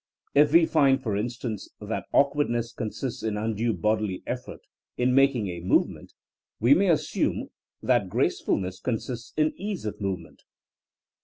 If we find, for instance, that awkward ness consists in undue bodily effort in making a movement, we may assume that gracefulness consists in ease of movement.